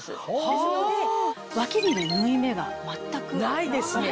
ですので脇に縫い目が全くないんですよ。